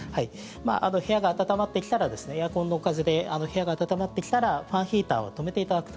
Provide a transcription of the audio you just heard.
部屋が暖まってきたらエアコンの風で部屋が暖まってきたらファンヒーターは止めていただくと。